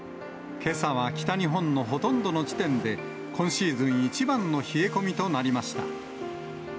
けさは北日本のほとんどの地点で、今シーズン一番の冷え込みとなりました。